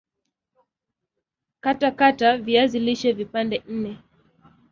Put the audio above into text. katakata viazi lishe vipande nne